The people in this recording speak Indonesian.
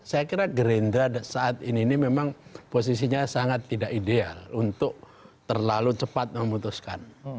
saya kira gerindra saat ini ini memang posisinya sangat tidak ideal untuk terlalu cepat memutuskan